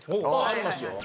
ありますよ。